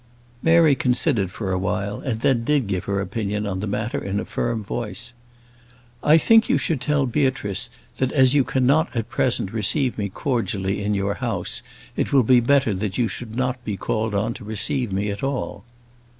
Mary considered for a while, and then did give her opinion on the matter in a firm voice. "I think you should tell Beatrice, that as you cannot at present receive me cordially in your house, it will be better that you should not be called on to receive me at all."